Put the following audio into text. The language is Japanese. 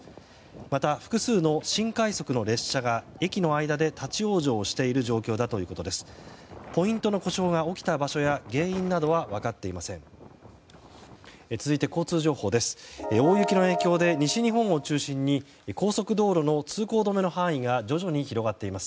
また、複数の新快速の列車が駅の間で立ち往生している状況だということです。